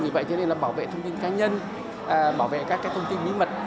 vì vậy cho nên là bảo vệ thông tin cá nhân bảo vệ các thông tin bí mật